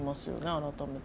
改めて。